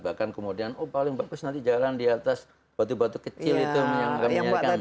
bahkan kemudian oh paling bagus nanti jalan di atas batu batu kecil itu yang kami nyarikan